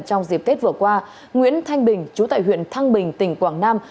trong dịp tết vừa qua nguyễn thanh bình chú tại huyện thăng bình tỉnh quảng nam